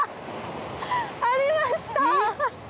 ありました！